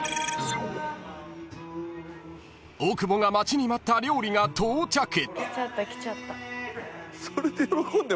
［大久保が待ちに待った料理が到着］